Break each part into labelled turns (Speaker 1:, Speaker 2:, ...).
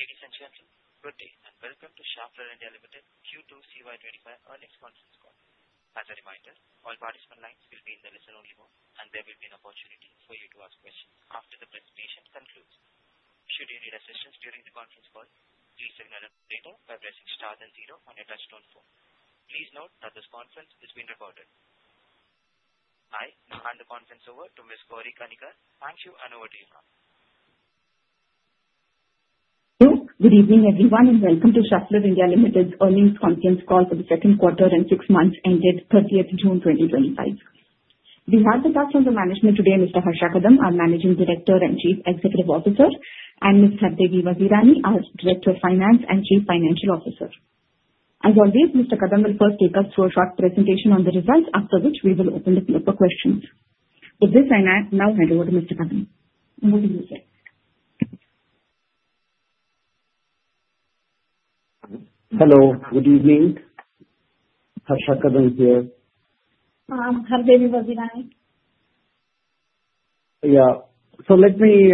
Speaker 1: Ladies and gentlemen, good day and welcome to Schaeffler India Klaus Rosenfeld, Q2 CY25 earnings conference call. As a reminder, all participant lines will be in the listen-only mode, and there will be an opportunity for you to ask questions after the presentation concludes. Should you need assistance during the conference call, please signal your number later by pressing star then zero on your touch-tone phone. Please note that this conference is being recorded. I now hand the conference over to Ms. Gauri Kanikar. Thank you, and over to you, ma'am.
Speaker 2: Hello, good evening everyone, and welcome to Schaeffler India Klaus Rosenfeld's earnings conference call for the Q2 and six months ended 30th June 2025. We have the staff from the management today, Mr. Harsha Kadam, our Managing Director and Chief Executive Officer, and Ms. Hardevi Vazirani, our Director of Finance and Chief Financial Officer. As always, Mr. Kadam will first take us through a short presentation on the results, after which we will open the floor for questions. With this, I now hand over to Mr. Kadam. Good evening, sir.
Speaker 3: Hello, good evening. Harsha Kadam here.
Speaker 4: Hardevi Vazirani.
Speaker 3: Yeah, so let me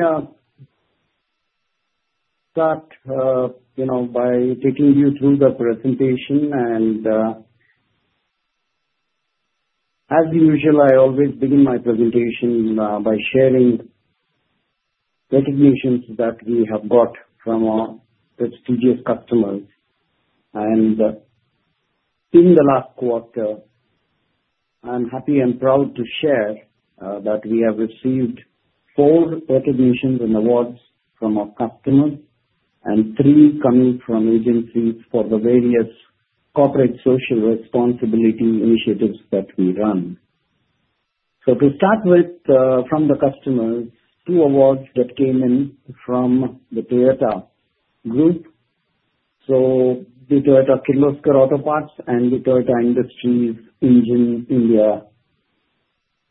Speaker 3: start by taking you through the presentation. And as usual, I always begin my presentation by sharing recognitions that we have got from our prestigious customers. And in the last quarter, I'm happy and proud to share that we have received four recognitions and awards from our customers, and three coming from agencies for the various corporate social responsibility initiatives that we run. So to start with, from the customers, two awards that came in from the Toyota Group, so the Toyota Kirloskar Auto Parts and the Toyota Industries Engine India.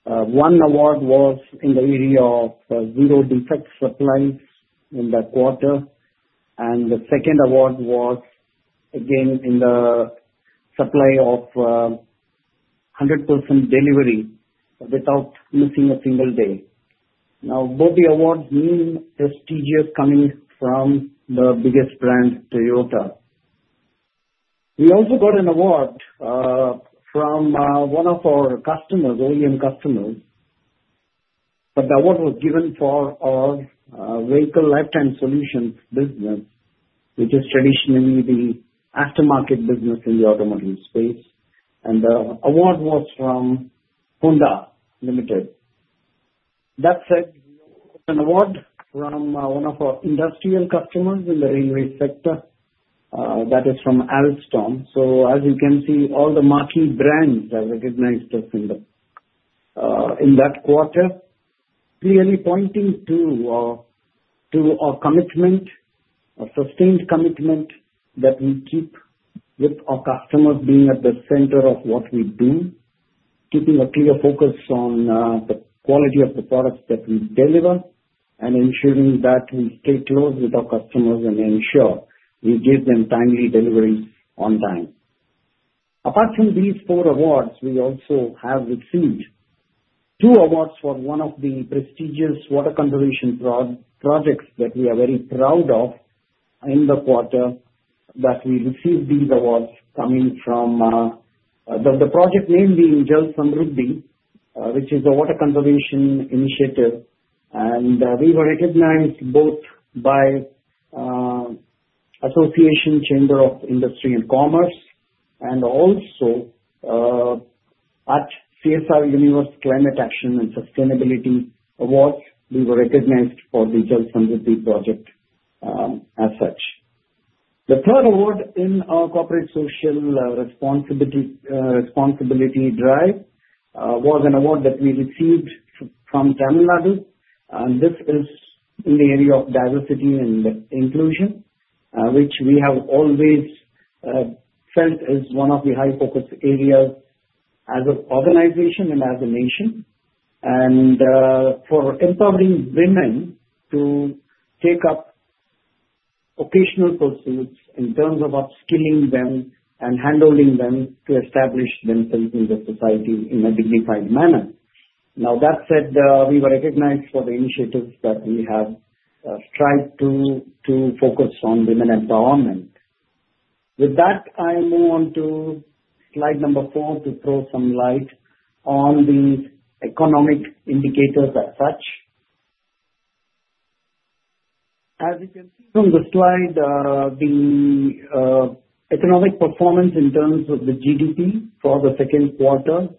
Speaker 3: One award was in the area of zero defect supplies in that quarter. And the second award was, again, in the supply of 100% delivery without missing a single day. Now, both the awards mean prestigious coming from the biggest brand, Toyota. We also got an award from one of our customers, OEM customers. But the award was given for our vehicle lifetime solutions business, which is traditionally the aftermarket business in the automotive space. And the award was from Honda Limited. That said, an award from one of our industrial customers in the railway sector, that is from Alstom. So as you can see, all the marquee brands have recognized us in that quarter, clearly pointing to our commitment, our sustained commitment that we keep with our customers being at the center of what we do, keeping a clear focus on the quality of the products that we deliver, and ensuring that we stay close with our customers and ensure we give them timely delivery on time. Apart from these four awards, we also have received two awards for one of the prestigious water conservation projects that we are very proud of in the quarter that we received these awards coming from the project name being Jal Samruddhi, which is a water conservation initiative, and we were recognized both by the Association Chambers of Commerce and Industry, and also at CSR Universe Climate Action and Sustainability Awards, we were recognized for the Jal Samruddhi project as such. The third award in our corporate social responsibility drive was an award that we received from Tamil Nadu, and this is in the area of diversity and inclusion, which we have always felt is one of the high-focus areas as an organization and as a nation. For empowering women to take up vocational pursuits in terms of upskilling them and handling them to establish themselves in the society in a dignified manner. Now, that said, we were recognized for the initiatives that we have strived to focus on women empowerment. With that, I move on to slide number four to throw some light on the economic indicators as such. As you can see from the slide, the economic performance in terms of the GDP for the Q2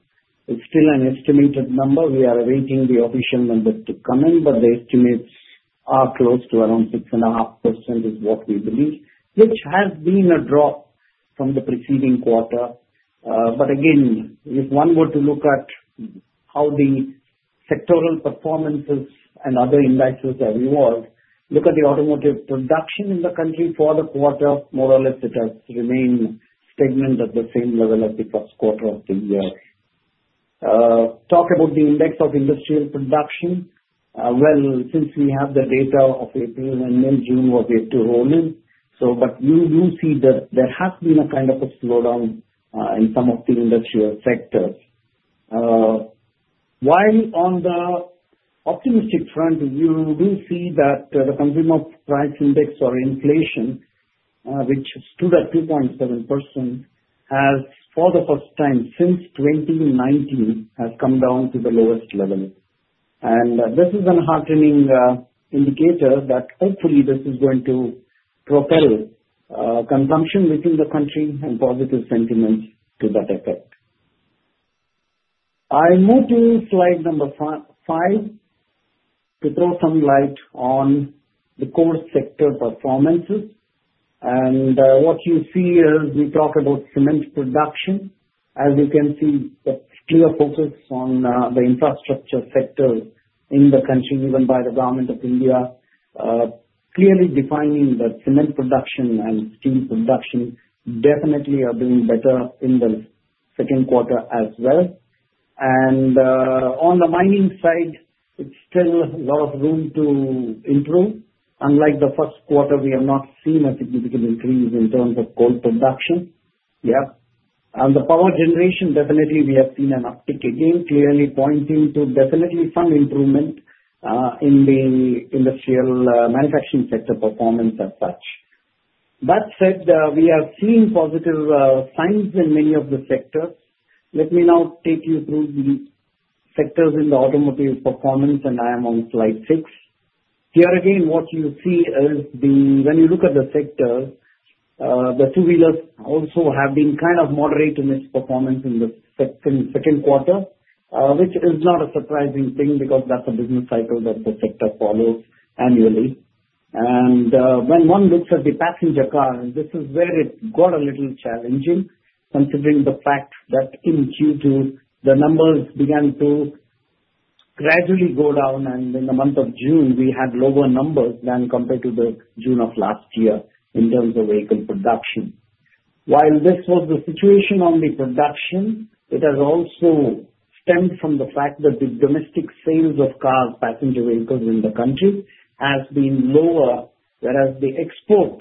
Speaker 3: is still an estimated number. We are awaiting the official number to come in, but the estimates are close to around 6.5% is what we believe, which has been a drop from the preceding quarter. But again, if one were to look at how the sectoral performances and other indices have evolved, look at the automotive production in the country for the quarter. More or less it has remained stagnant at the same level as the Q1 of the year. Talk about the index of industrial production. Well, since we have the data of April and then June was yet to roll in, but you do see that there has been a kind of a slowdown in some of the industrial sectors. While on the optimistic front, you do see that the consumer price index or inflation, which stood at 2.7%, has for the first time since 2019 come down to the lowest level. And this is a heartening indicator that hopefully this is going to propel consumption within the country and positive sentiments to that effect. I move to slide number five to throw some light on the core sector performances. What you see is we talk about cement production. As you can see, the clear focus on the infrastructure sector in the country, even by the government of India, clearly defining the cement production and steel production definitely are doing better in the Q2 as well. On the mining side, it's still a lot of room to improve. Unlike the Q1, we have not seen a significant increase in terms of coal production. Yeah. The power generation, definitely we have seen an uptick again, clearly pointing to definitely some improvement in the industrial manufacturing sector performance as such. That said, we have seen positive signs in many of the sectors. Let me now take you through the sectors in the automotive performance, and I am on slide six. Here again, what you see is when you look at the sector, the two-wheelers also have been kind of moderate in its performance in the Q2, which is not a surprising thing because that's a business cycle that the sector follows annually, and when one looks at the passenger car, this is where it got a little challenging, considering the fact that in Q2, the numbers began to gradually go down, and in the month of June, we had lower numbers than compared to the June of last year in terms of vehicle production. While this was the situation on the production, it has also stemmed from the fact that the domestic sales of cars, passenger vehicles in the country, have been lower, whereas the export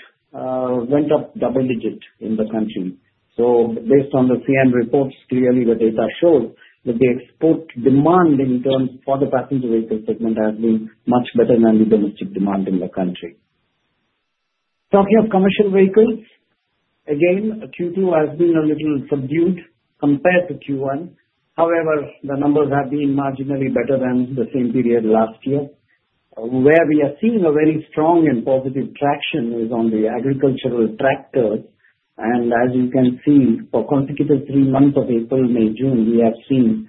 Speaker 3: went up double digit in the country. So based on the CM reports, clearly the data shows that the export demand in terms of the passenger vehicle segment has been much better than the domestic demand in the country. Talking of commercial vehicles, again, Q2 has been a little subdued compared to Q1. However, the numbers have been marginally better than the same period last year. Where we are seeing a very strong and positive traction is on the agricultural tractors. And as you can see, for consecutive three months of April, May, June, we have seen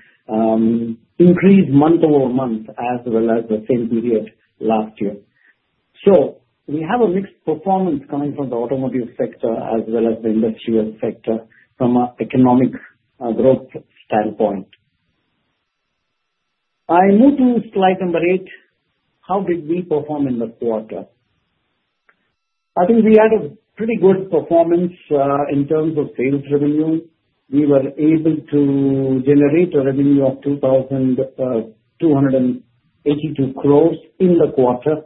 Speaker 3: increase month over month as well as the same period last year. So we have a mixed performance coming from the automotive sector as well as the industrial sector from an economic growth standpoint. I move to slide number eight. How did we perform in the quarter? I think we had a pretty good performance in terms of sales revenue. We were able to generate a revenue of 2,282 crores in the quarter,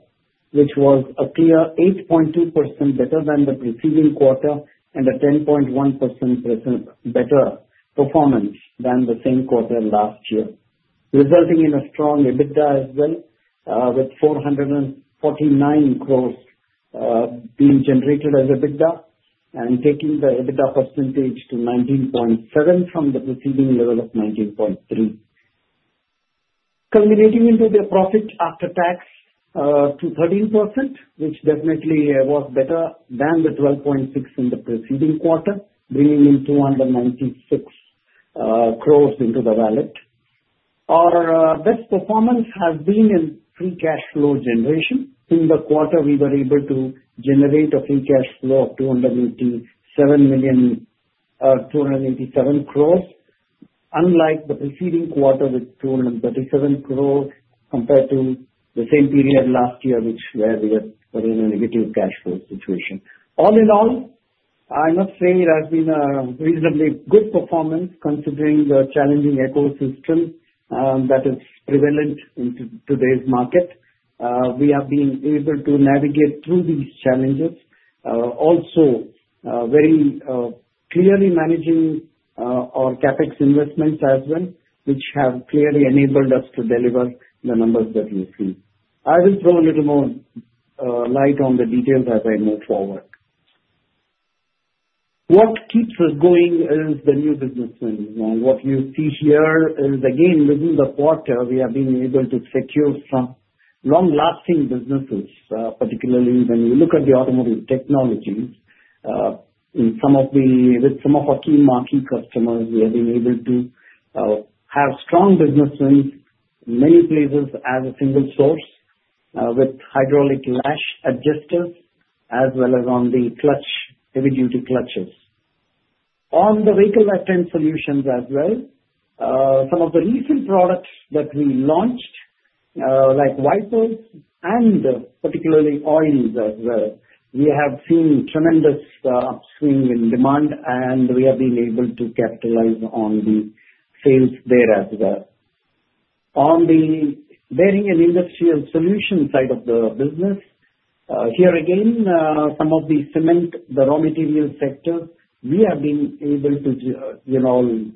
Speaker 3: which was a clear 8.2% better than the preceding quarter and a 10.1% better performance than the same quarter last year, resulting in a strong EBITDA as well, with 449 crores being generated as EBITDA and taking the EBITDA percentage to 19.7% from the preceding level of 19.3%. Culminating into the profit after tax to 13%, which definitely was better than the 12.6% in the preceding quarter, bringing in 296 crores into the wallet. Our best performance has been in free cash flow generation. In the quarter, we were able to generate a free cash flow of 287 crores, unlike the preceding quarter with 237 crores compared to the same period last year, where we were in a negative cash flow situation. All in all, I must say it has been a reasonably good performance considering the challenging ecosystem that is prevalent in today's market. We have been able to navigate through these challenges, also very clearly managing our CapEx investments as well, which have clearly enabled us to deliver the numbers that we see. I will throw a little more light on the details as I move forward. What keeps us going is the new businesses. What you see here is, again, within the quarter, we have been able to secure some long-lasting businesses, particularly when you look at the automotive technologies. With some of our key marquee customers, we have been able to have strong businesses in many places as a single source with hydraulic lash adjusters as well as on the clutch, heavy-duty clutches. On the vehicle lifetime solutions as well, some of the recent products that we launched, like wipers and particularly oils as well, we have seen tremendous upswing in demand, and we have been able to capitalize on the sales there as well. On the bearing and industrial solution side of the business, here again, some of the cement, the raw material sector, we have been able to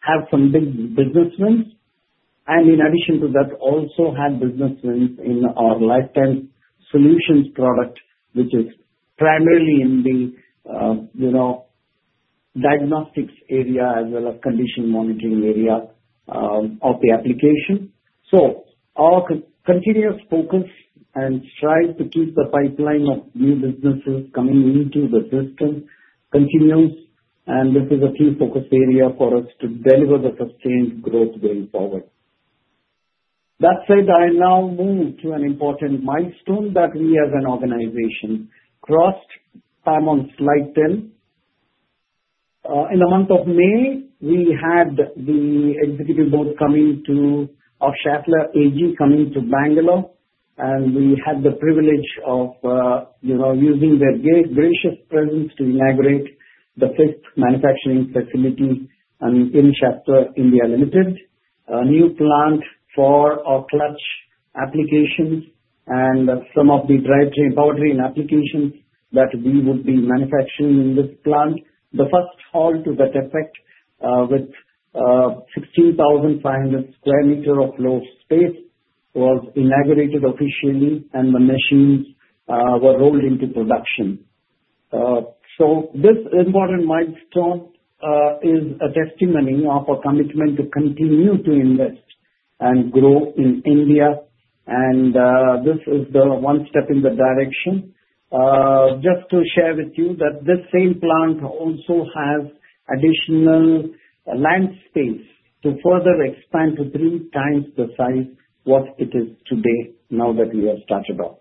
Speaker 3: have some big businesses. And in addition to that, also had businesses in our lifetime solutions product, which is primarily in the diagnostics area as well as condition monitoring area of the application. So our continuous focus and strive to keep the pipeline of new businesses coming into the system continuous, and this is a key focus area for us to deliver the sustained growth going forward. That said, I now move to an important milestone that we as an organization crossed. I'm on slide 10. In the month of May, we had the executive board coming to our Schaeffler AG coming to Bangalore, and we had the privilege of using their gracious presence to inaugurate the fifth manufacturing facility in Schaeffler India Limited, a new plant for our clutch applications and some of the drivetrain powertrain applications that we would be manufacturing in this plant. The first hall to that effect with 16,500 square meters of floor space was inaugurated officially, and the machines were rolled into production, so this important milestone is a testimony of our commitment to continue to invest and grow in India, and this is the one step in the direction. Just to share with you that this same plant also has additional land space to further expand to three times the size what it is today now that we have started off.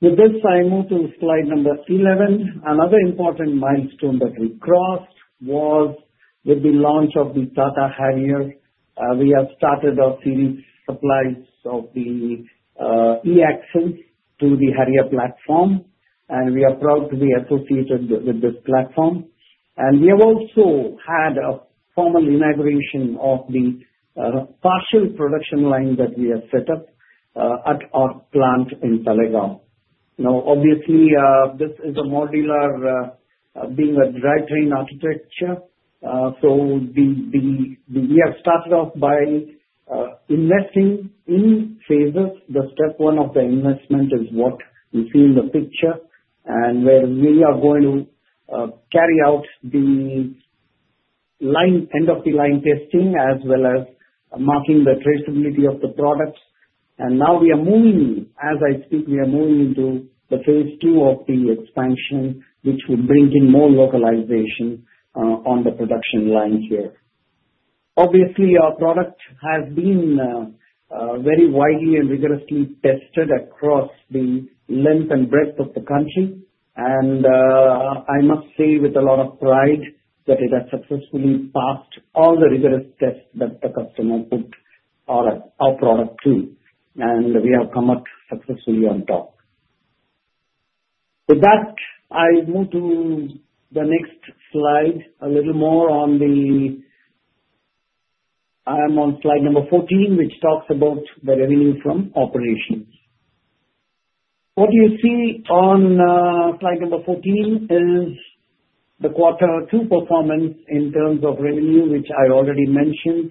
Speaker 3: With this, I move to slide number 11. Another important milestone that we crossed was with the launch of the Tata Harrier. We have started our series supplies of the e-axle to the Harrier platform, and we are proud to be associated with this platform. And we have also had a formal inauguration of the partial production line that we have set up at our plant in Talegaon. Now, obviously, this is a modular being a drivetrain architecture. So we have started off by investing in phases. The step one of the investment is what you see in the picture, and where we are going to carry out the end-of-the-line testing as well as marking the traceability of the products. And now we are moving, as I speak, we are moving into the phase II of the expansion, which will bring in more localization on the production line here. Obviously, our product has been very widely and rigorously tested across the length and breadth of the country. I must say with a lot of pride that it has successfully passed all the rigorous tests that the customer put our product through, and we have come up successfully on top. With that, I move to the next slide. I am on slide number 14, which talks about the revenue from operations. What you see on slide number 14 is the quarter two performance in terms of revenue, which I already mentioned.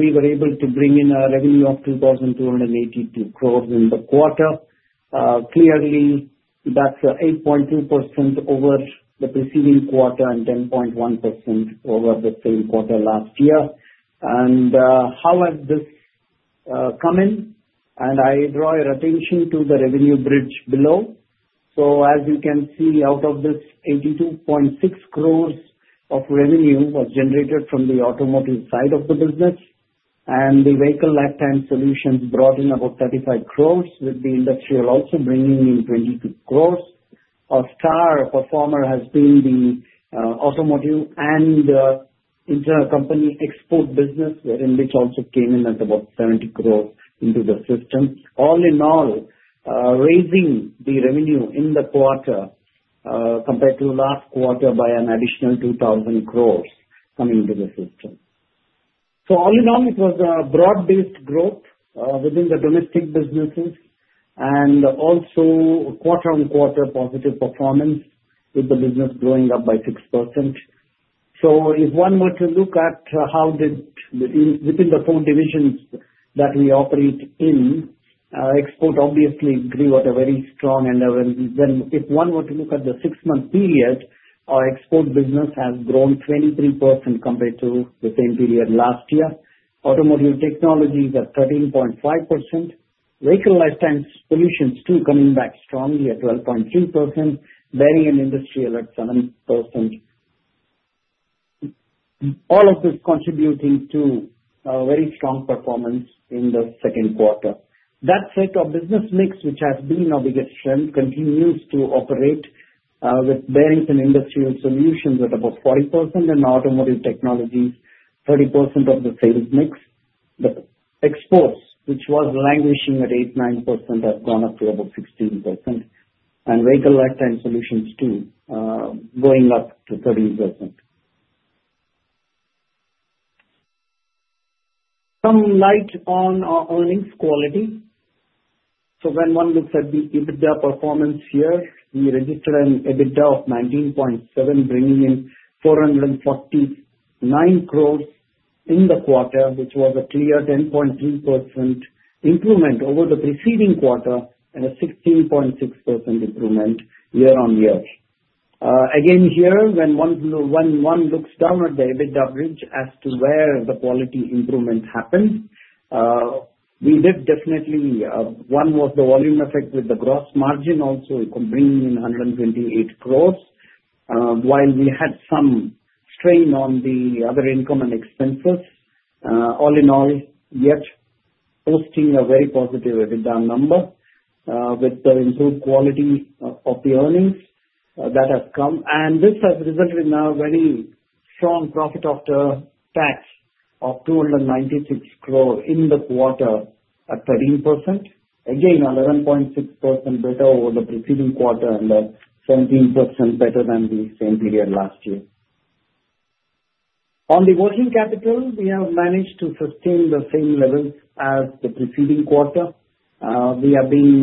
Speaker 3: We were able to bring in a revenue of 2,282 crores in the quarter. Clearly, that's 8.2% over the preceding quarter and 10.1% over the same quarter last year. How has this come in? I draw your attention to the revenue bridge below. As you can see, out of this 82.6 crores of revenue was generated from the automotive side of the business, and the vehicle lifetime solutions brought in about 35 crores, with the industrial also bringing in 22 crores. Our star performer has been the automotive and intercompany export business, which also came in at about 70 crores into the system. All in all, raising the revenue in the quarter compared to last quarter by an additional 2,000 crores coming into the system. All in all, it was a broad-based growth within the domestic businesses and also quarter-on-quarter positive performance with the business growing up by 6%. If one were to look at how did within the four divisions that we operate in, export obviously grew at a very strong end. Then if one were to look at the six-month period, our export business has grown 23% compared to the same period last year. Automotive Technologies at 13.5%, Vehicle Lifetime Solutions still coming back strongly at 12.3%, Bearings and Industrial at 7%. All of this contributing to a very strong performance in the Q2. That said, our business mix, which has been our biggest strength, continues to operate with Bearings and Industrial Solutions at about 40%, and Automotive Technologies 30% of the sales mix. The exports, which was languishing at 89%, have gone up to about 16%, and Vehicle Lifetime Solutions too going up to 13%. Some light on our earnings quality. So when one looks at the EBITDA performance here, we registered an EBITDA of 19.7%, bringing in 449 crores in the quarter, which was a clear 10.3% improvement over the preceding quarter and a 16.6% improvement year on year. Again, here, when one looks down at the EBITDA bridge as to where the quality improvement happened, we did definitely one was the volume effect with the gross margin also bringing in 128 crores, while we had some strain on the other income and expenses. All in all, yet posting a very positive EBITDA number with the improved quality of the earnings that has come. And this has resulted in a very strong profit after tax of 296 crores in the quarter at 13%, again, 11.6% better over the preceding quarter and 17% better than the same period last year. On the working capital, we have managed to sustain the same levels as the preceding quarter. We have been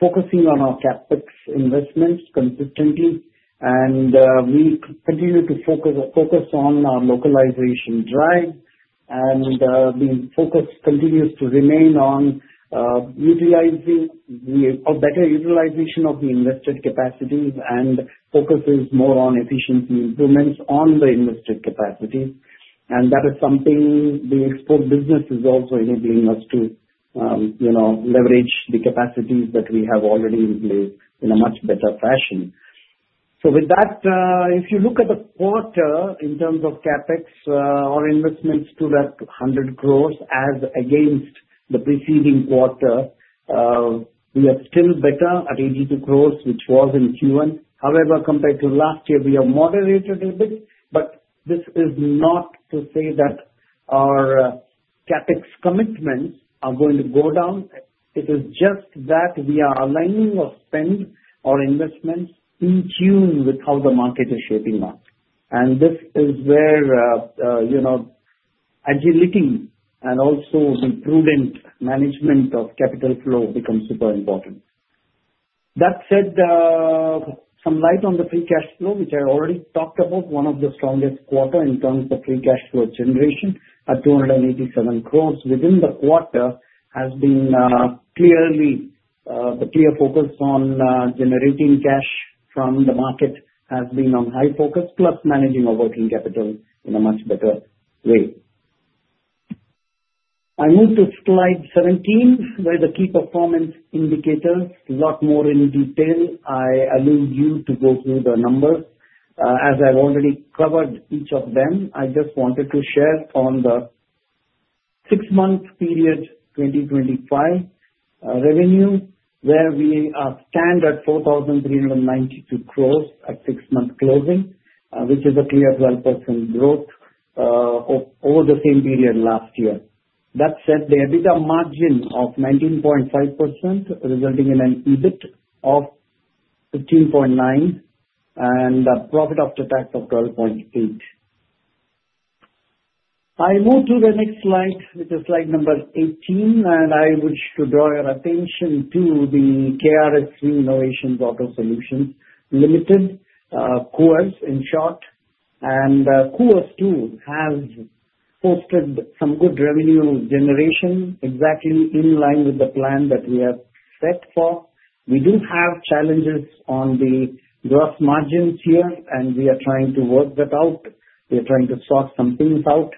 Speaker 3: focusing on our CapEx investments consistently, and we continue to focus on our localization drive. And the focus continues to remain on utilizing a better utilization of the invested capacity and focuses more on efficiency improvements on the invested capacity. And that is something the export business is also enabling us to leverage the capacities that we have already in place in a much better fashion. So with that, if you look at the quarter in terms of CapEx or investments to that 100 crores as against the preceding quarter, we are still better at 82 crores, which was in Q1. However, compared to last year, we have moderated a bit, but this is not to say that our CapEx commitments are going to go down. It is just that we are aligning our spend, our investments in tune with how the market is shaping up, and this is where agility and also the prudent management of capital flow becomes super important. That said, some light on the free cash flow, which I already talked about. One of the strongest quarters in terms of free cash flow generation at 287 crores within the quarter has been clearly the focus on generating cash from the market has been on high focus, plus managing our working capital in a much better way. Moving to slide 17, where the key performance indicators a lot more in detail. I'll leave you to go through the numbers. As I've already covered each of them, I just wanted to share on the six-month period 2025 revenue, where we stand at 4,392 crores at six-month closing, which is a clear 12% growth over the same period last year. That said, the EBITDA margin of 19.5% resulting in an EBIT of 15.9% and a profit after tax of 12.8%. I move to the next slide, which is slide number 18, and I wish to draw your attention to the KRSV Innovations Auto Solutions Limited, Koovers in short. And Koovers too has posted some good revenue generation exactly in line with the plan that we have set for. We do have challenges on the gross margins here, and we are trying to work that out. We are trying to sort some things out.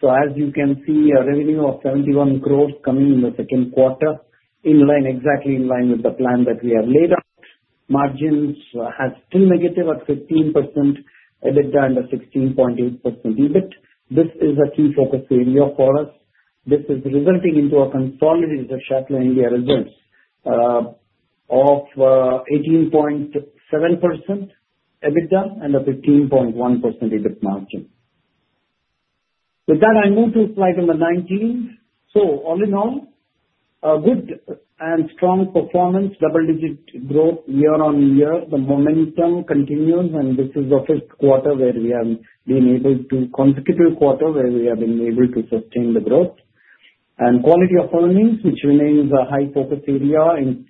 Speaker 3: So as you can see, a revenue of 71 crores coming in the Q2 in line exactly with the plan that we have laid out. Margins are still negative at 15% EBITDA and a 16.8% EBIT. This is a key focus area for us. This is resulting into a consolidated Schaeffler India results of 18.7% EBITDA and a 15.1% EBIT margin. With that, I move to slide number 19. So all in all, good and strong performance, double-digit growth year on year. The momentum continues, and this is the fifth consecutive quarter where we have been able to sustain the growth. And quality of earnings, which remains a high focus area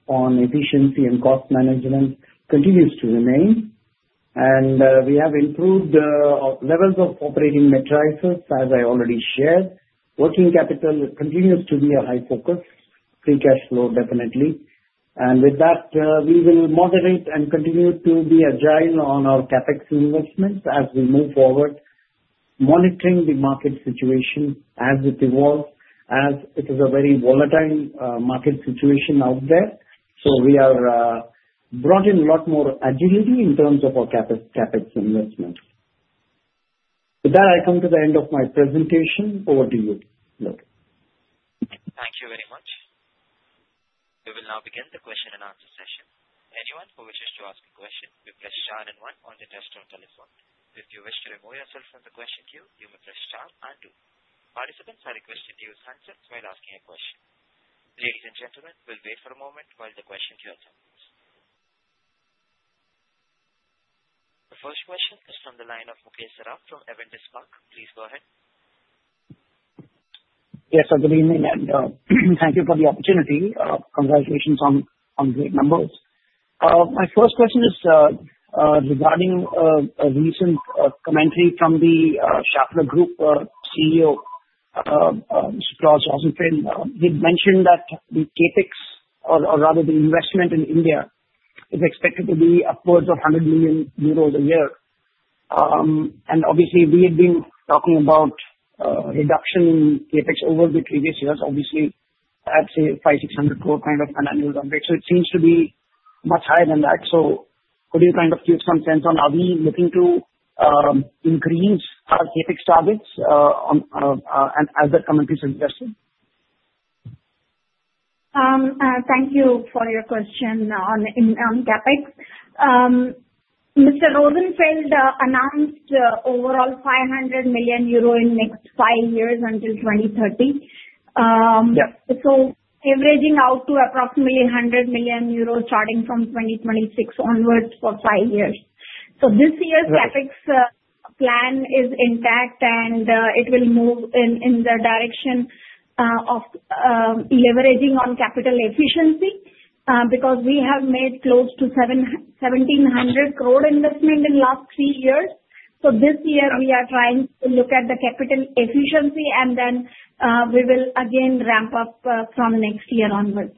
Speaker 3: on efficiency and cost management, continues to remain. And we have improved levels of operating metrics, as I already shared. Working capital continues to be a high focus. Free cash flow definitely, and with that, we will moderate and continue to be agile on our CapEx investments as we move forward, monitoring the market situation as it evolves, as it is a very volatile market situation out there. So we are brought in a lot more agility in terms of our CapEx investments. With that, I come to the end of my presentation. Over to you, Luke.
Speaker 1: Thank you very much. We will now begin the question and answer session. Anyone who wishes to ask a question may press star and one on the desktop telephone. If you wish to remove yourself from the question queue, you may press star and two. Participants are requested to use handsets while asking a question. Ladies and gentlemen, we'll wait for a moment while the question queue attends. The first question is from the line of Mukesh Saraf from Avendus Spark. Please go ahead.
Speaker 5: Yes, good evening, and thank you for the opportunity. Congratulations on great numbers. My first question is regarding a recent commentary from the Schaeffler Group CEO, Mr. Klaus Rosenfeld. He mentioned that the CapEx, or rather the investment in India, is expected to be upwards of 100 million euros a year. And obviously, we had been talking about reduction in CapEx over the previous years, obviously at, say, 500 to 600 crore kind of an annual range. So it seems to be much higher than that. So could you kind of give some sense on, are we looking to increase our CapEx targets as the commentary suggested?
Speaker 4: Thank you for your question on CapEx. Mr. Rosenfeld announced overall 500 million euro in the next five years until 2030. So averaging out to approximately 100 million euros starting from 2026 onwards for five years. So this year, CapEx plan is intact, and it will move in the direction of leveraging on capital efficiency because we have made close to 1,700 crore investment in the last three years. So this year, we are trying to look at the capital efficiency, and then we will again ramp up from next year onwards.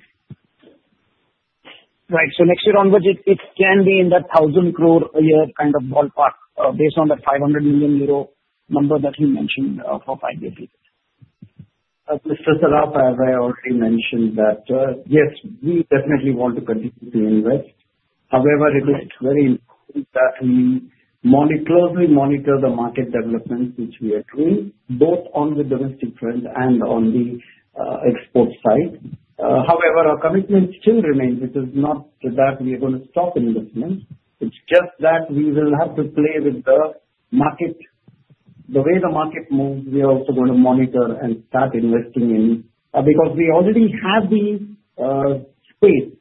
Speaker 5: Right. So next year onwards, it can be in that 1,000 crore a year kind of ballpark based on the 500 million euro number that you mentioned for five years?
Speaker 3: As Mr. Saraf, as I already mentioned, that yes, we definitely want to continue to invest. However, it is very important that we closely monitor the market development, which we are doing both on the domestic front and on the export side. However, our commitment still remains. It is not that we are going to stop investment. It's just that we will have to play with the market. The way the market moves, we are also going to monitor and start investing in because we already have the space,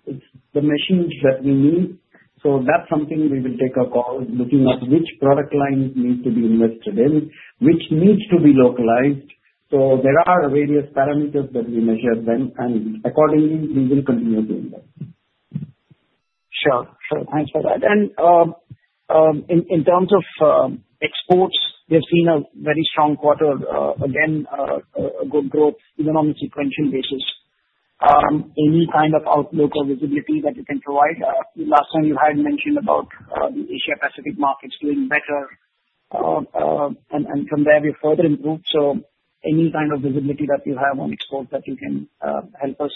Speaker 3: the machines that we need. So that's something we will take a call looking at which product lines need to be invested in, which needs to be localized. So there are various parameters that we measure then, and accordingly, we will continue doing that.
Speaker 5: Sure. Sure. Thanks for that. And in terms of exports, we have seen a very strong quarter, again, good growth even on a sequential basis. Any kind of outlook or visibility that you can provide? Last time, you had mentioned about the Asia-Pacific markets doing better, and from there, we further improved. So any kind of visibility that you have on exports that you can help us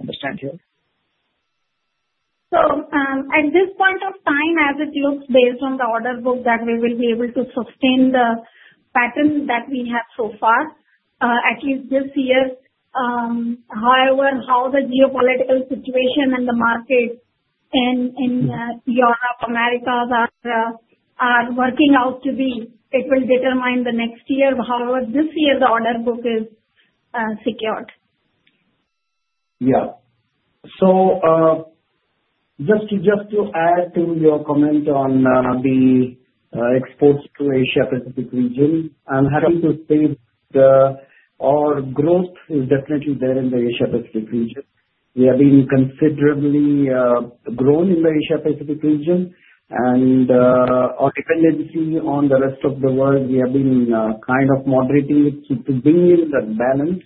Speaker 5: understand here?
Speaker 4: So at this point of time, as it looks based on the order book that we will be able to sustain the pattern that we have so far, at least this year. However, how the geopolitical situation and the market in Europe and America are working out to be, it will determine the next year. However, this year, the order book is secured.
Speaker 3: Yeah. So just to add to your comment on the exports to Asia-Pacific region, I'm happy to say that our growth is definitely there in the Asia-Pacific region. We have been considerably grown in the Asia-Pacific region, and our dependency on the rest of the world, we have been kind of moderating it to bring in that balance.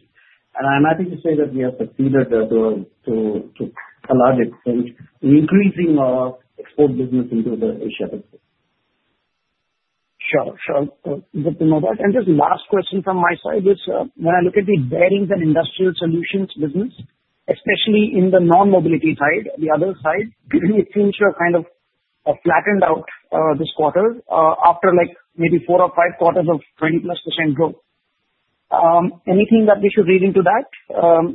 Speaker 3: And I'm happy to say that we have succeeded to a large extent in increasing our export business into the Asia-Pacific.
Speaker 5: Sure. Sure. Good to know that. And just last question from my side is, when I look at the bearings and industrial solutions business, especially in the non-mobility side, the other side, it seems to have kind of flattened out this quarter after maybe four or five quarters of 20+% growth. Anything that we should read into that,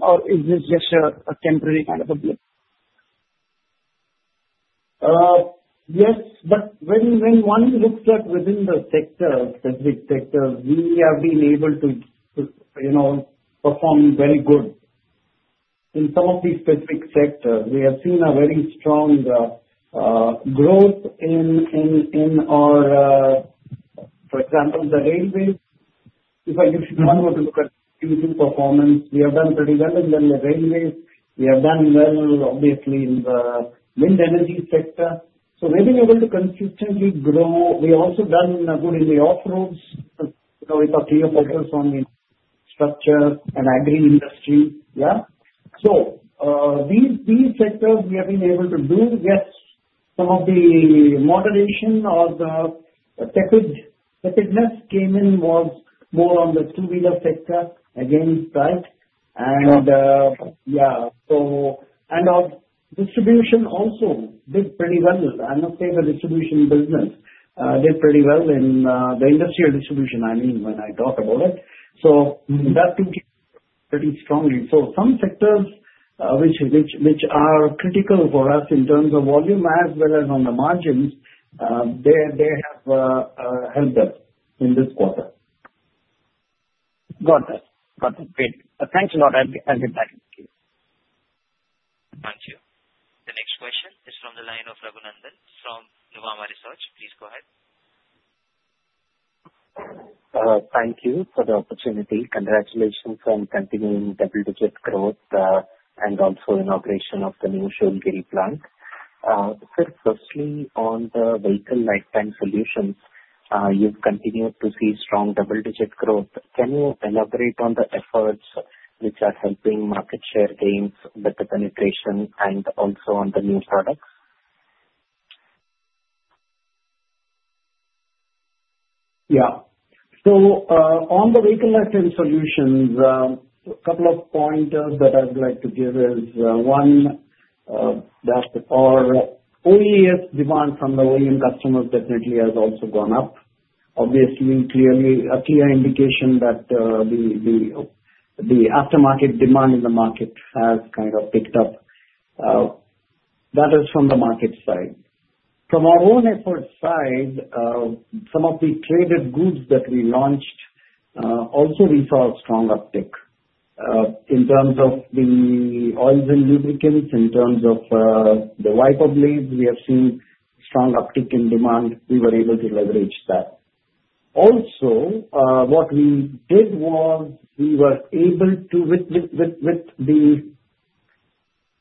Speaker 5: or is this just a temporary kind of a blip?
Speaker 3: Yes, but when one looks at within the sector, specific sectors, we have been able to perform very good. In some of these specific sectors, we have seen a very strong growth in our, for example, the railways. If one were to look at future performance, we have done pretty well. And then the railways, we have done well, obviously, in the wind energy sector. So we've been able to consistently grow. We've also done good in the off-roads with our clear focus on infrastructure and agri-industry. Yeah. So these sectors, we have been able to do. Yes, some of the moderation or the tepidness came in was more on the two-wheeler sector, again, right? And yeah. And our distribution also did pretty well. I must say the distribution business did pretty well in the industrial distribution, I mean, when I talk about it. So that took pretty strongly. So some sectors which are critical for us in terms of volume as well as on the margins, they have helped us in this quarter.
Speaker 5: Got it. Got it. Great. Thanks a lot. I'll get back to you.
Speaker 1: Thank you. The next question is from the line of Raghunandan from Nuvama Research. Please go ahead.
Speaker 6: Thank you for the opportunity. Congratulations on continuing double-digit growth and also inauguration of the new Savli plant. Firstly, on the vehicle lifetime solutions, you've continued to see strong double-digit growth. Can you elaborate on the efforts which are helping market share gains, better penetration, and also on the new products?
Speaker 3: Yeah. So on the vehicle lifetime solutions, a couple of points that I'd like to give is one, that our OES demand from the OEM customers definitely has also gone up. Obviously, clearly, a clear indication that the aftermarket demand in the market has kind of picked up. That is from the market side. From our own effort side, some of the traded goods that we launched also we saw a strong uptick in terms of the oils and lubricants, in terms of the wiper blades. We have seen strong uptick in demand. We were able to leverage that. Also, what we did was we were able to, with the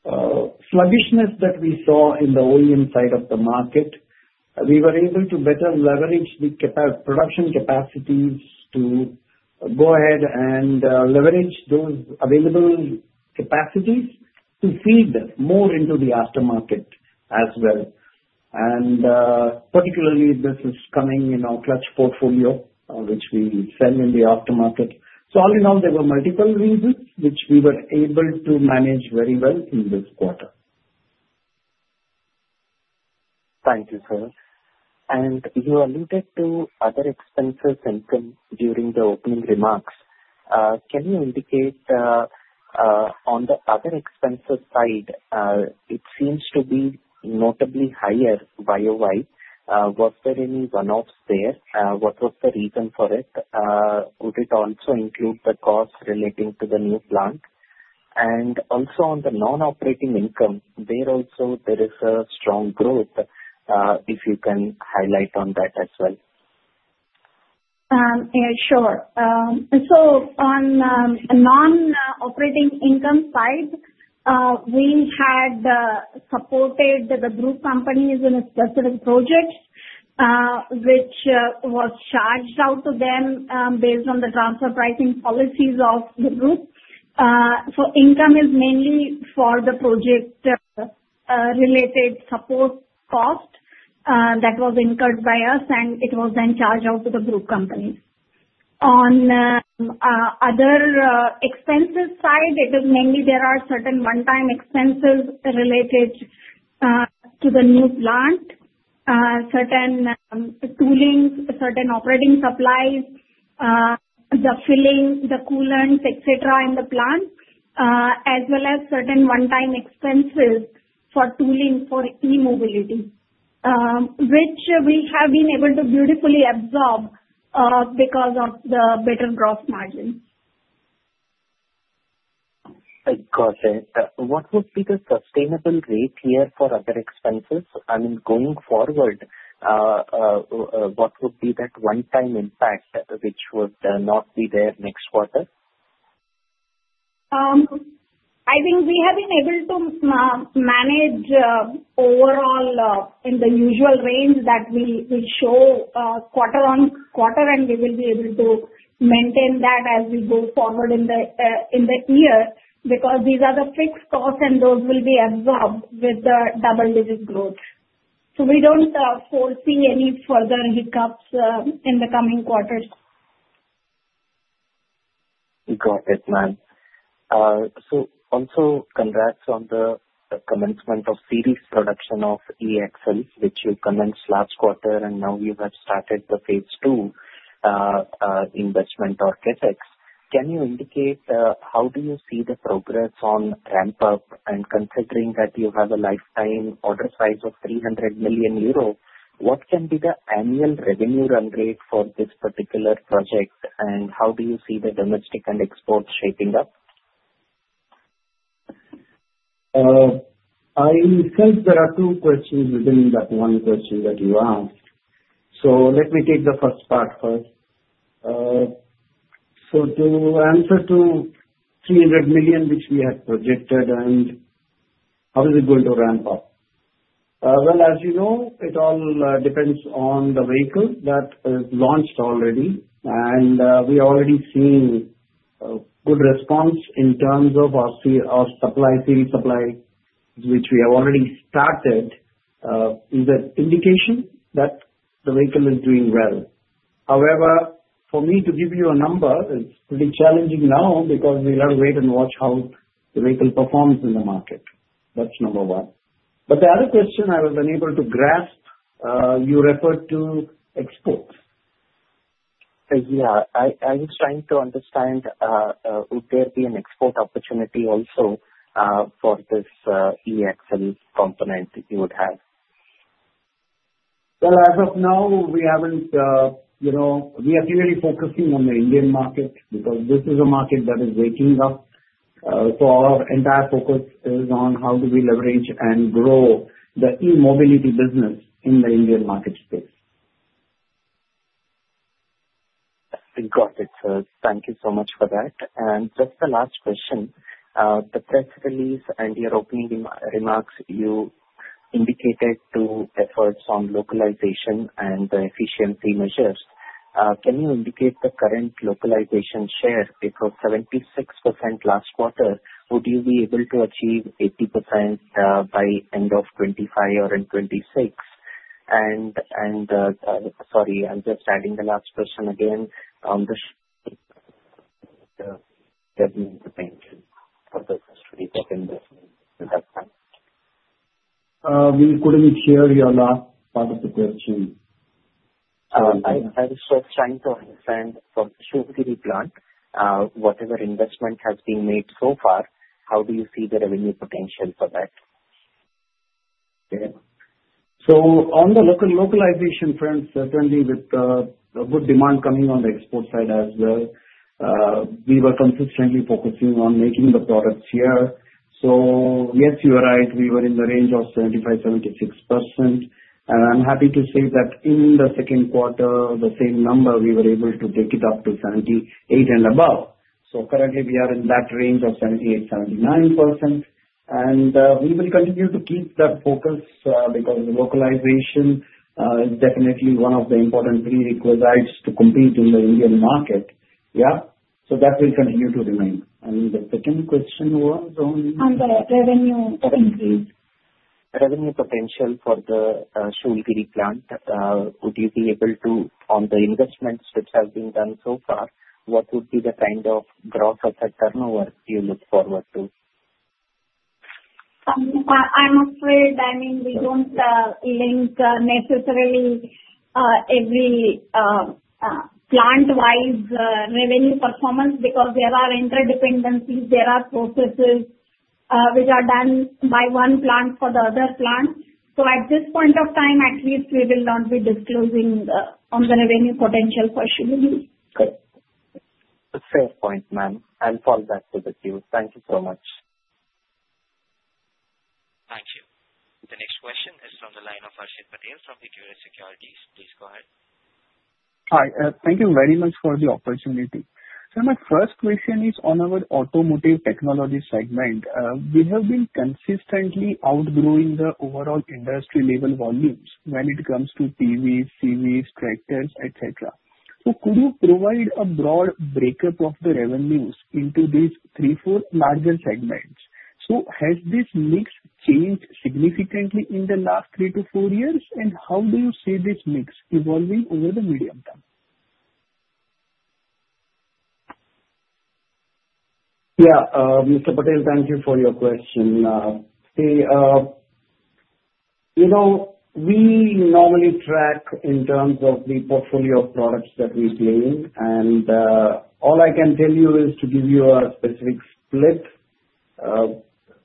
Speaker 3: sluggishness that we saw in the OEM side of the market, we were able to better leverage the production capacities to go ahead and leverage those available capacities to feed more into the aftermarket as well. And particularly, this is coming in our clutch portfolio, which we sell in the aftermarket. So all in all, there were multiple reasons which we were able to manage very well in this quarter.
Speaker 6: Thank you, sir. And you alluded to other expenses and income during the opening remarks. Can you indicate on the other expenses side? It seems to be notably higher YOY. Was there any runoffs there? What was the reason for it? Would it also include the cost relating to the new plant? Also on the non-operating income, there also is a strong growth. If you can highlight on that as well.
Speaker 4: Sure. So on the non-operating income side, we had supported the group companies in a specific project, which was charged out to them based on the transfer pricing policies of the group. So income is mainly for the project-related support cost that was incurred by us, and it was then charged out to the group companies. On other expenses side, it is mainly, there are certain one-time expenses related to the new plant, certain tooling, certain operating supplies, the filling, the coolants, etc., in the plant, as well as certain one-time expenses for tooling for e-mobility, which we have been able to beautifully absorb because of the better gross margin.
Speaker 6: Of course. What would be the sustainable rate here for other expenses? I mean, going forward, what would be that one-time impact which would not be there next quarter?
Speaker 4: I think we have been able to manage overall in the usual range that we show quarter on quarter, and we will be able to maintain that as we go forward in the year because these are the fixed costs, and those will be absorbed with the double-digit growth. So we don't foresee any further hiccups in the coming quarters.
Speaker 6: Got it, ma'am. So also congrats on the commencement of series production of EXL, which you commenced last quarter, and now you have started the phase II investment at Savli. Can you indicate how do you see the progress on ramp up? Considering that you have a lifetime order size of 300 million euro, what can be the annual revenue run rate for this particular project, and how do you see the domestic and export shaping up?
Speaker 3: I felt there are two questions within that one question that you asked. So let me take the first part first. So to answer to 300 million, which we had projected, and how is it going to ramp up? Well, as you know, it all depends on the vehicle that is launched already, and we are already seeing good response in terms of our series supply, which we have already started. It's an indication that the vehicle is doing well. However, for me to give you a number, it's pretty challenging now because we'll have to wait and watch how the vehicle performs in the market. That's number one. But the other question I was unable to grasp, you referred to exports.
Speaker 6: Yeah. I was trying to understand would there be an export opportunity also for this EXL component you would have?
Speaker 3: Well, as of now, we haven't we are clearly focusing on the Indian market because this is a market that is waking up. So our entire focus is on how do we leverage and grow the e-mobility business in the Indian market space.
Speaker 6: Got it, sir. Thank you so much for that. And just the last question. The press release and your opening remarks, you indicated two efforts on localization and the efficiency measures. Can you indicate the current localization share? It was 76% last quarter. Would you be able to achieve 80% by end of 2025 or in 2026? And sorry, I'm just adding the last question again. Thank you for the courtesy of investment.
Speaker 3: We couldn't hear your last part of the question.
Speaker 6: I was just trying to understand from the Savli plant, whatever investment has been made so far, how do you see the revenue potential for that?
Speaker 3: Okay. So on the localization front, certainly with the good demand coming on the export side as well, we were consistently focusing on making the products here. So yes, you are right. We were in the range of 75% to 76%. And I'm happy to say that in the Q2, the same number, we were able to take it up to 78% and above. So currently, we are in that range of 78% to 79%. And we will continue to keep that focus because localization is definitely one of the important prerequisites to compete in the Indian market. Yeah. So that will continue to remain. And the second question was on the revenue increase.
Speaker 6: Revenue potential for the Savli plant, would you be able to, on the investments which have been done so far, what would be the kind of growth or turnover you look forward to?
Speaker 4: I'm afraid, I mean, we don't link necessarily every plant-wise revenue performance because there are interdependencies. There are processes which are done by one plant for the other plant. So at this point of time, at least we will not be disclosing on the revenue potential for Savli.
Speaker 6: Good. Fair point, ma'am. I'll fall back with you. Thank you so much.
Speaker 1: Thank you. The next question is from the line of Harshit Patel from Equirus Securities. Please go ahead. Hi.
Speaker 7: Thank you very much for the opportunity. So my first question is on our automotive technology segment. We have been consistently outgrowing the overall industry-level volumes when it comes to TVs, CVs, tractors, etc. So could you provide a broad breakup of the revenues into these three, four larger segments? So has this mix changed significantly in the last three to four years, and how do you see this mix evolving over the medium term?
Speaker 3: Yeah. Mr. Patel, thank you for your question. See, we normally track in terms of the portfolio of products that we claim. And all I can tell you is to give you a specific split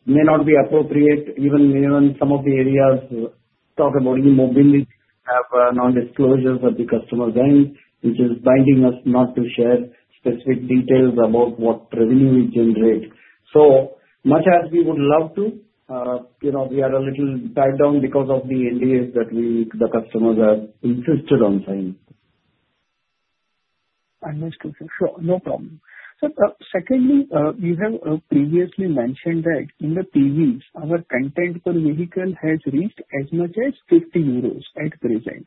Speaker 3: may not be appropriate, even in some of the areas. Talk about e-mobility, have non-disclosures at the customer's end, which is binding us not to share specific details about what revenue we generate. So much as we would love to, we are a little tied down because of the NDAs that the customers have insisted on signing.
Speaker 7: Understood. Sure. No problem. So secondly, you have previously mentioned that in the TVs, our content per vehicle has reached as much as 50 euros at present.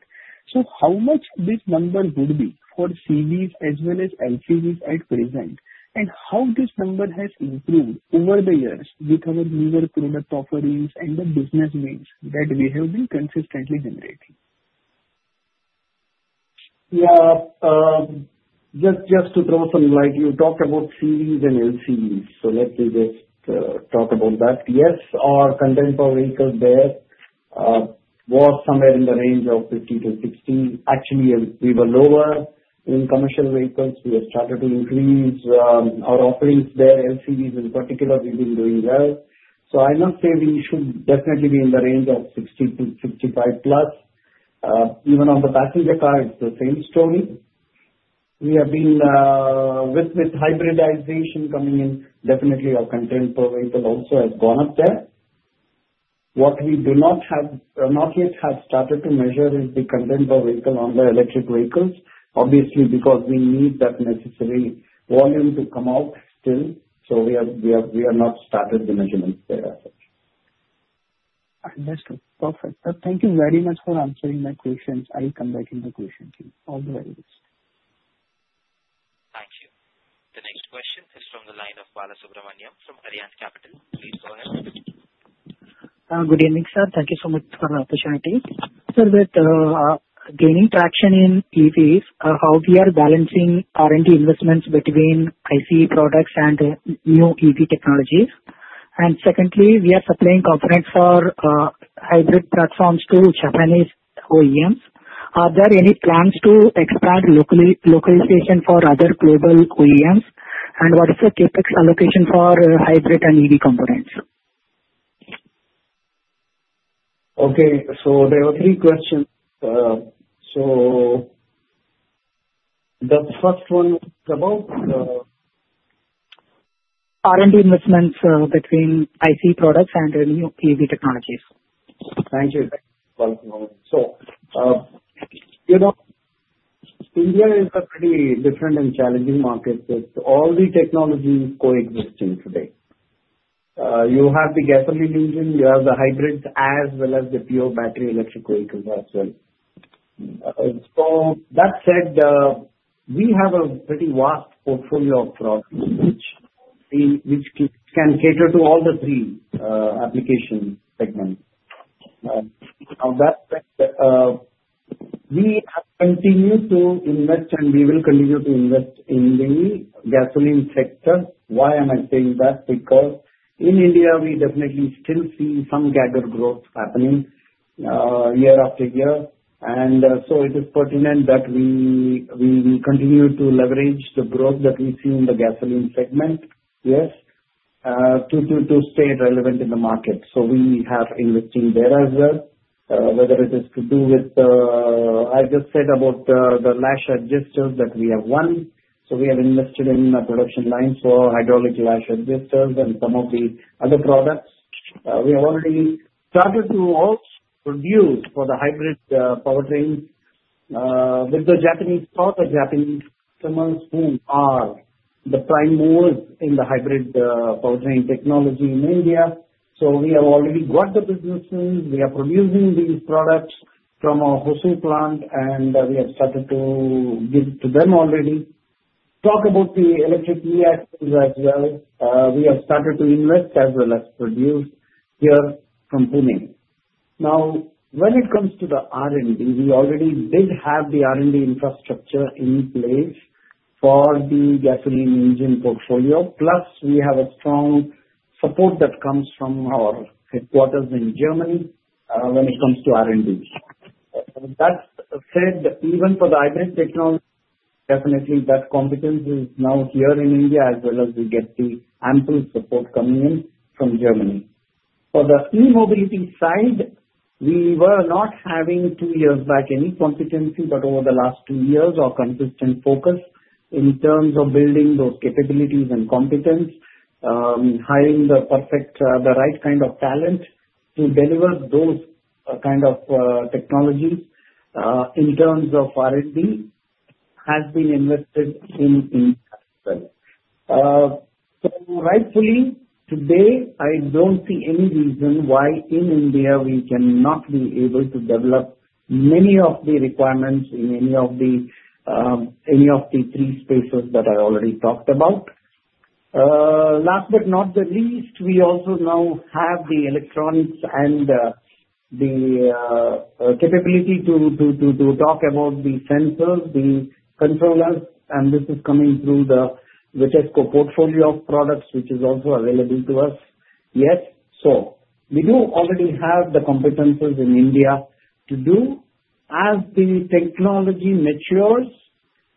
Speaker 7: So how much this number would be for CVs as well as LCVs at present, and how this number has improved over the years with our newer product offerings and the business means that we have been consistently generating?
Speaker 3: Yeah. Just to throw some light, you talked about CVs and LCVs. So let me just talk about that. Yes, our content per vehicle there was somewhere in the range of 50 to 60. Actually, we were lower in commercial vehicles. We have started to increase our offerings there. LCVs in particular, we've been doing well. So I must say we should definitely be in the range of 60 to 65 plus. Even on the passenger car, it's the same story. We have been with hybridization coming in, definitely our content per vehicle also has gone up there. What we do not have not yet have started to measure is the content per vehicle on the electric vehicles, obviously, because we need that necessary volume to come out still. So we have not started the measurements there as such.
Speaker 7: Understood. Perfect. Thank you very much for answering my questions. I'll come back in the question queue all the way list.
Speaker 1: Thank you. The next question is from the line of Balasubramaniam from Arihant Capital. Please go ahead.
Speaker 8: Good evening, sir. Thank you so much for the opportunity. So with gaining traction in EVs, how we are balancing R&D investments between ICE products and new EV technologies? And secondly, we are supplying components for hybrid platforms to Japanese OEMs. Are there any plans to expand localization for other global OEMs? What is the CapEx allocation for hybrid and EV components?
Speaker 3: Okay. So there are three questions. So the first one is about?
Speaker 8: R&D investments between ICE products and new EV technologies.
Speaker 3: Thank you. Thank you. India is a pretty different and challenging market with all the technologies coexisting today. You have the gasoline engine, you have the hybrids, as well as the pure battery electric vehicles as well. So that said, we have a pretty vast portfolio of products which can cater to all the three application segments. On that front, we continue to invest, and we will continue to invest in the gasoline sector. Why am I saying that? Because in India, we definitely still see some double-digit growth happening year after year. And so it is pertinent that we continue to leverage the growth that we see in the gasoline segment, yes, to stay relevant in the market. So we have investing there as well, whether it is to do with the I just said about the lash adjusters that we have one. So we have invested in a production line for hydraulic lash adjusters and some of the other products. We have already started to also produce for the hybrid powertrains with the Japanese partners, the Japanese customers who are the prime movers in the hybrid powertrain technology in India. So we have already got the businesses. We are producing these products from our Hosur plant, and we have started to give to them already. Talk about the electric EXLs as well. We have started to invest as well as produce here from Pune. Now, when it comes to the R&D, we already did have the R&D infrastructure in place for the gasoline engine portfolio. Plus, we have a strong support that comes from our headquarters in Germany when it comes to R&D. That said, even for the hybrid technology, definitely that competence is now here in India, as well as we get the ample support coming in from Germany. For the e-mobility side, we were not having two years back any competency, but over the last two years, our consistent focus in terms of building those capabilities and competence, hiring the perfect, the right kind of talent to deliver those kind of technologies in terms of R&D has been invested in India as well. So rightfully, today, I don't see any reason why in India we cannot be able to develop many of the requirements in any of the three spaces that I already talked about. Last but not the least, we also now have the electronics and the capability to talk about the sensors, the controllers, and this is coming through the Vitesco portfolio of products, which is also available to us. Yes. So we do already have the competences in India to do as the technology matures,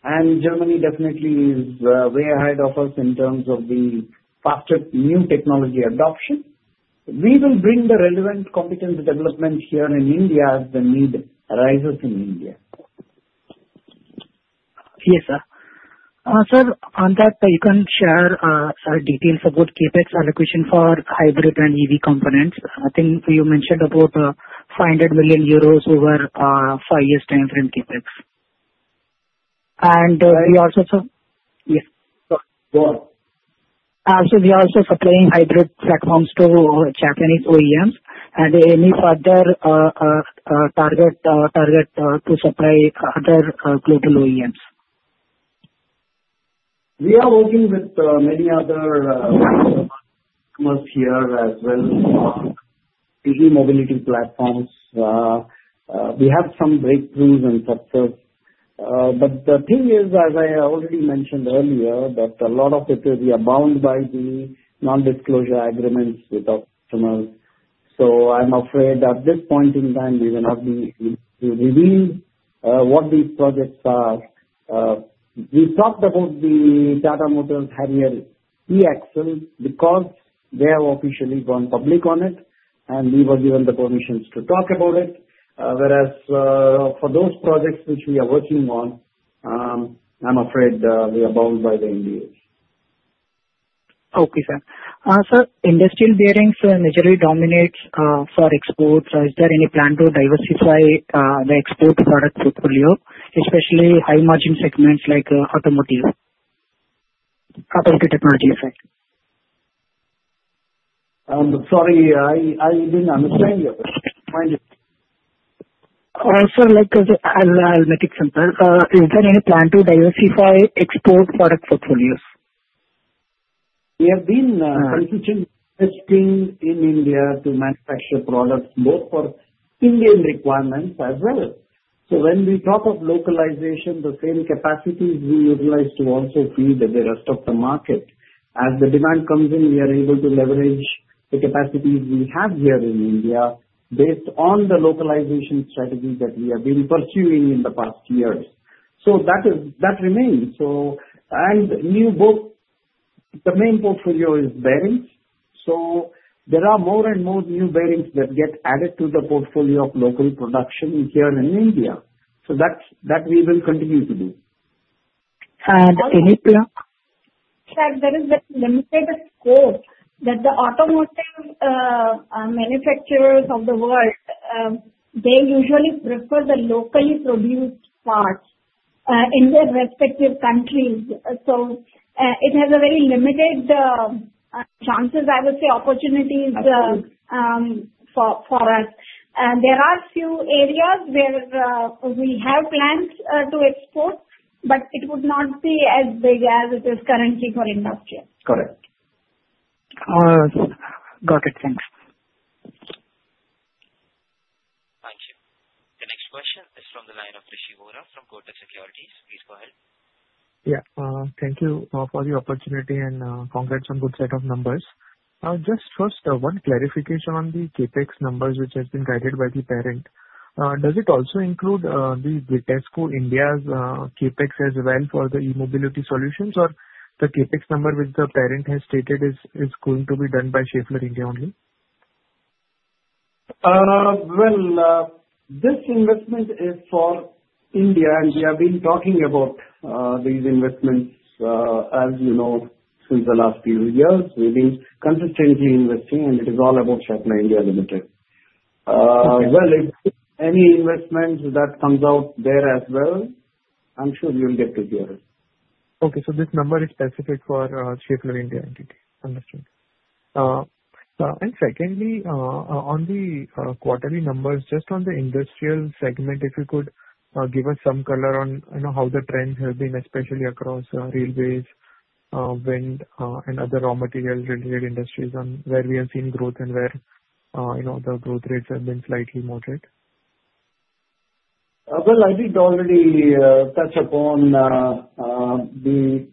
Speaker 3: and Germany definitely is way ahead of us in terms of the faster new technology adoption. We will bring the relevant competence development here in India as the need arises in India.
Speaker 8: Yes, sir. Sir, on that, you can share details about CapEx allocation for hybrid and EV components. I think you mentioned about 500 million euros over five years' time frame CapEx. And we also. Yes. Go on. So we are also supplying hybrid platforms to Japanese OEMs. Are there any further target to supply other global OEMs?
Speaker 3: We are working with many other customers here as well for e-mobility platforms. We have some breakthroughs and success. But the thing is, as I already mentioned earlier, that a lot of it is we are bound by the non-disclosure agreements with our customers. So I'm afraid at this point in time, we will not be able to reveal what these projects are. We talked about the Tata Motors Harrier EXL because they have officially gone public on it, and we were given the permissions to talk about it. Whereas for those projects which we are working on, I'm afraid we are bound by the NDAs.
Speaker 8: Okay, sir. Sir, industrial bearings majorly dominate for exports. Is there any plan to diversify the export product portfolio, especially high-margin segments like automotive technology?
Speaker 3: I'm sorry. I didn't understand your question. Mind you.
Speaker 8: Sir, I'll make it simple. Is there any plan to diversify export product portfolios?
Speaker 3: We have been consistently investing in India to manufacture products both for Indian requirements as well. So when we talk of localization, the same capacities we utilize to also feed the rest of the market. As the demand comes in, we are able to leverage the capacities we have here in India based on the localization strategy that we have been pursuing in the past years. So that remains. And the main portfolio is bearings. So there are more and more new bearings that get added to the portfolio of local production here in India. So that we will continue to do.
Speaker 8: And in India?
Speaker 4: Sir, there is a limited scope that the automotive manufacturers of the world, they usually prefer the locally produced parts in their respective countries. So it has a very limited chances, I would say, opportunities for us. And there are a few areas where we have plans to export, but it would not be as big as it is currently for industry.
Speaker 8: Correct. Got it. Thanks.
Speaker 1: Thank you. The next question is from the line of Rishi Vora from Kotak Securities. Please go ahead. Yeah.
Speaker 9: Thank you for the opportunity and congrats on good set of numbers. Just first, one clarification on the CapEx numbers which has been guided by the parent. Does it also include the Vitesco India's CapEx as well for the e-mobility solutions, or the CapEx number which the parent has stated is going to be done by Schaeffler India only?
Speaker 3: Well, this investment is for India, and we have been talking about these investments, as you know, since the last few years. We've been consistently investing, and it is all about Schaeffler India Limited. Well, if any investment that comes out there as well, I'm sure we'll get to hear it. Okay. So this number is specific for Schaeffler India entity.
Speaker 9: Understood. And secondly, on the quarterly numbers, just on the industrial segment, if you could give us some color on how the trends have been, especially across railways, wind, and other raw material-related industries on where we have seen growth and where the growth rates have been slightly moderate?
Speaker 3: Well, I did already touch upon the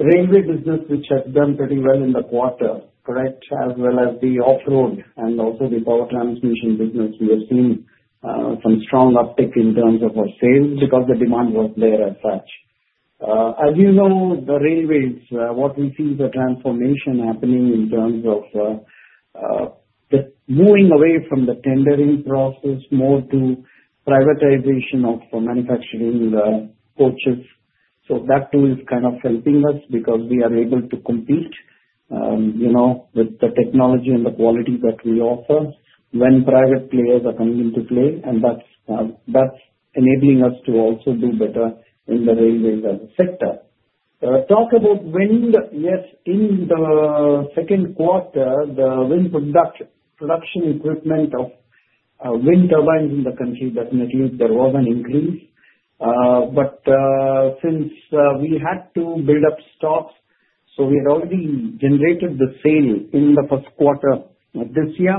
Speaker 3: railway business, which has done pretty well in the quarter, correct, as well as the off-road and also the power transmission business. We have seen some strong uptick in terms of our sales because the demand was there as such. As you know, the railways, what we see is a transformation happening in terms of moving away from the tendering process more to privatization of manufacturing the coaches. So that too is kind of helping us because we are able to compete with the technology and the quality that we offer when private players are coming into play, and that's enabling us to also do better in the railways as a sector. Talk about wind. Yes, in the Q2, the wind production equipment of wind turbines in the country definitely there was an increase. But since we had to build up stocks, so we had already generated the sale in the Q1 of this year.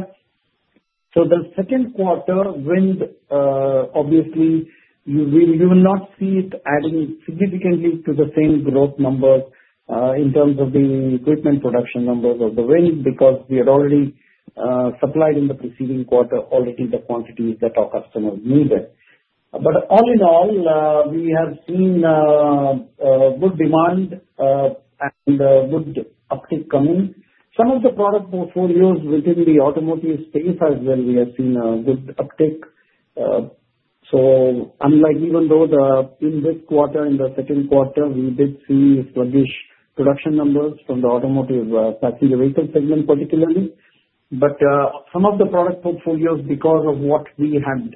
Speaker 3: So, the Q2 wind, obviously, you will not see it adding significantly to the same growth numbers in terms of the equipment production numbers of the wind because we had already supplied in the preceding quarter the quantities that our customers needed. But all in all, we have seen good demand and good uptick coming. Some of the product portfolios within the automotive space as well, we have seen good uptick. So even though in this quarter, in the Q2, we did see sluggish production numbers from the automotive passenger vehicle segment particularly. But some of the product portfolios, because of what we had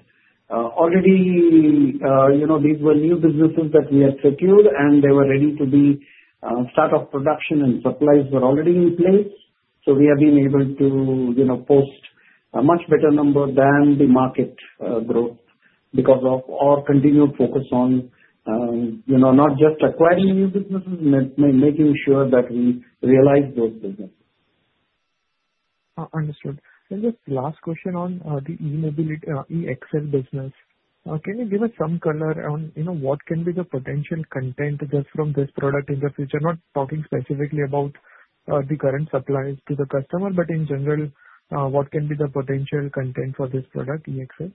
Speaker 3: already, these were new businesses that we had secured, and they were ready to be start of production, and supplies were already in place. So we have been able to post a much better number than the market growth because of our continued focus on not just acquiring new businesses, but making sure that we realize those businesses.
Speaker 9: Understood. Just last question on the e-mobility EXL business. Can you give us some color on what can be the potential content just from this product in the future? Not talking specifically about the current supplies to the customer, but in general, what can be the potential content for this product, EXL?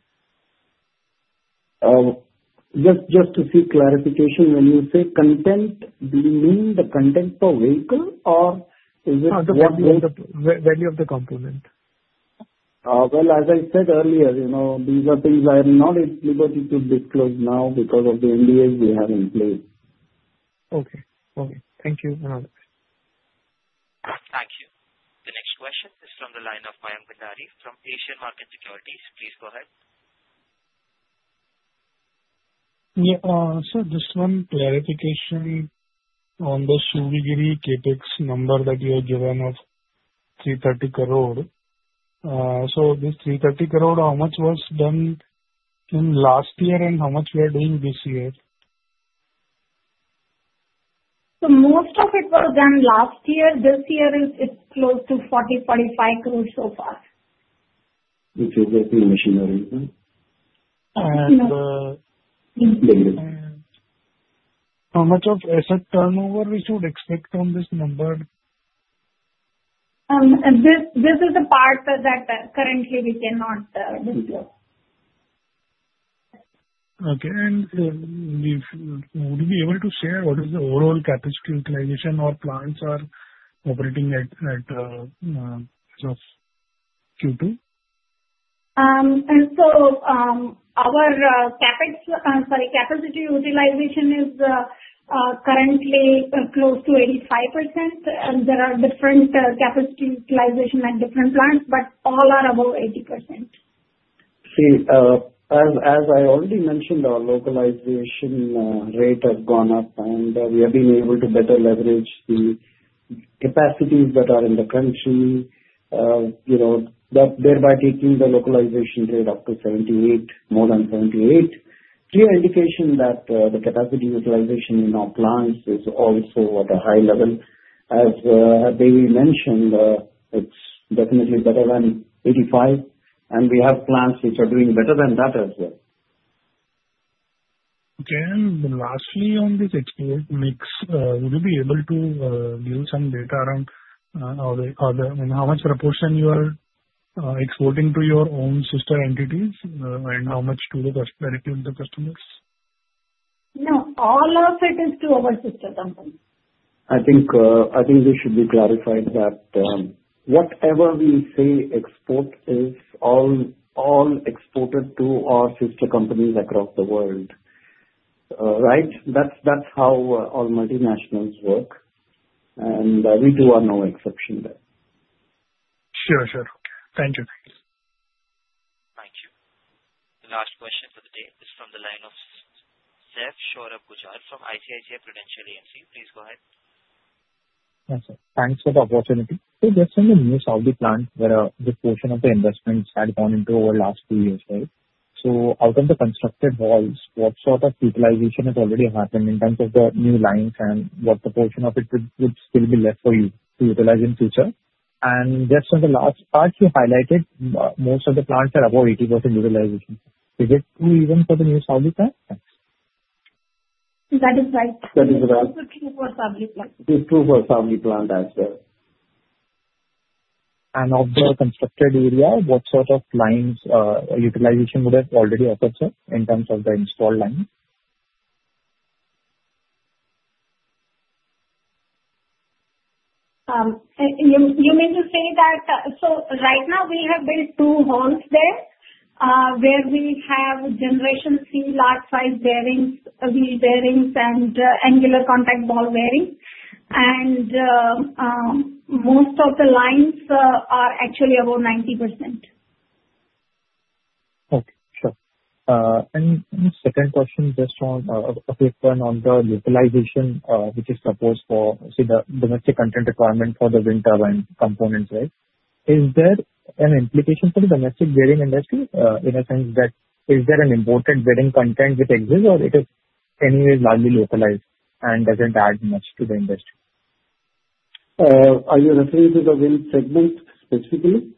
Speaker 3: Just a few clarifications. When you say content, do you mean the content for vehicle, or is it the value of the component?
Speaker 9: Value of the component
Speaker 3: Well, as I said earlier, these are things I am not able to disclose now because of the NDAs we have in place.
Speaker 9: Okay. Okay. Thank you. Thank you.
Speaker 1: The next question is from the line of Mayank Bhandari from Asian Markets Securities. Please go ahead.
Speaker 10: Yeah. Sir, just one clarification on the Savli CapEx number that you have given of 330 crore. So this 330 crore, how much was done in last year and how much we are doing this year?
Speaker 4: So most of it was done last year. This year, it's close to 40 to 45 crore so far.
Speaker 3: Which is the machinery, right?
Speaker 10: And how much of asset turnover we should expect on this number?
Speaker 4: This is the part that currently we cannot disclose.
Speaker 10: Okay. And would you be able to share what is the overall capacity utilization or plants are operating at Q2?
Speaker 4: And so our capacity utilization is currently close to 85%. There are different capacity utilization at different plants, but all are above 80%.
Speaker 3: See, as I already mentioned, our localization rate has gone up, and we have been able to better leverage the capacities that are in the country, thereby taking the localization rate up to 78, more than 78. Clear indication that the capacity utilization in our plants is also at a high level. As Baby mentioned, it's definitely better than 85, and we have plants which are doing better than that as well.
Speaker 10: Okay, and lastly, on this export mix, would you be able to give some data around how much proportion you are exporting to your own sister entities and how much to the customers?
Speaker 4: No. All of it is to our sister companies.
Speaker 3: I think this should be clarified that whatever we say export is all exported to our sister companies across the world, right? That's how all multinationals work, and we too are no exception there.
Speaker 10: Sure. Sure. Thank you.
Speaker 1: Thank you. The last question for the day is from the line of Saurabh Mehta from ICICI Prudential AMC. Please go ahead.
Speaker 11: Thanks for the opportunity. So just on the new Savli plant, where the portion of the investments had gone into over the last few years, right? So out of the constructed area, what sort of utilization has already happened in terms of the new lines and what proportion of it would still be left for you to utilize in future? And just on the last part you highlighted, most of the plants are above 80% utilization. Is it true even for the new Savli plant?
Speaker 4: That is right.
Speaker 3: That is right.
Speaker 4: It's true for Savli plant.
Speaker 3: It's true for Savli plant as well.
Speaker 11: And of the constructed area, what sort of lines utilization would have already occurred, sir, in terms of the installed lines?
Speaker 4: You mean to say that so right now, we have built two halls there where we have Generation C large-size bearings, wheel bearings, and angular contact ball bearings. And most of the lines are actually above 90%.
Speaker 11: Okay. Sure. And second question just on a quick one on the localization, which is supposed for, say, the domestic content requirement for the wind turbine components, right? Is there an implication for the domestic bearing industry in a sense that is there an imported bearing content which exists, or it is anyway largely localized and doesn't add much to the industry?
Speaker 3: Are you referring to the wind segment specifically?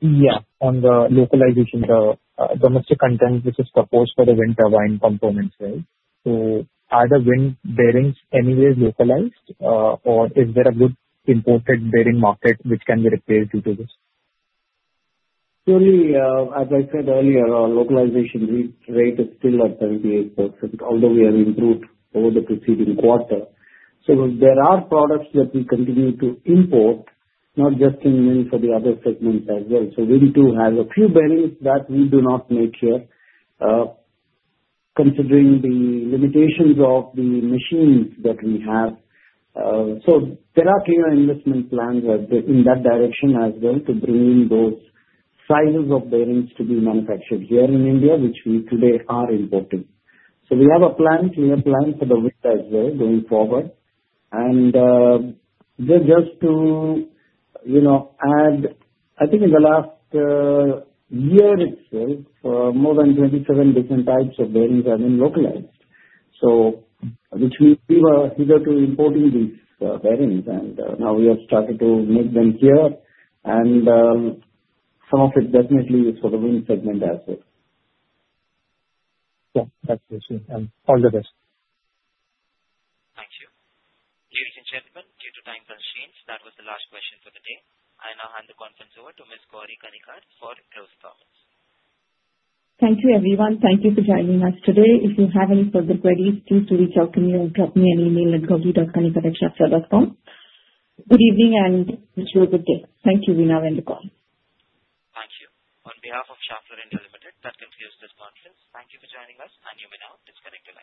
Speaker 11: Yeah. On the localization, the domestic content which is proposed for the wind turbine components, right? So are the wind bearings anyway localized, or is there a good imported bearing market which can be replaced due to this?
Speaker 3: Surely, as I said earlier, our localization rate is still at 78%, although we have improved over the preceding quarter. So there are products that we continue to import, not just in wind, for the other segments as well. So wind too has a few bearings that we do not make here, considering the limitations of the machines that we have. So there are clear investment plans in that direction as well to bring in those sizes of bearings to be manufactured here in India, which we today are importing. So we have a clear plan for the wind as well going forward. And just to add, I think in the last year itself, more than 27 different types of bearings have been localized, which means we were earlier importing these bearings. And now we have started to make them here. And some of it definitely is for the wind segment as well.
Speaker 11: Yeah. That's good. All the best.
Speaker 3: Thank you. Ladies and gentlemen, due to time constraints, that was the last question for the day. I now hand the conference over to Ms. Gauri Kanikar for closing comments.
Speaker 2: Thank you, everyone. Thank you for joining us today. If you have any further queries, please do reach out to me or drop me an email at gauri.kanikar@schaeffler.com. Good evening and wish you a good day. Thank you. We now end the call.
Speaker 1: Thank you. On behalf of Schaeffler India Limited, that concludes this conference. Thank you for joining us, and you may now disconnect the call.